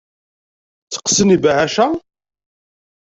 Tteqqsen yibeɛɛac-a?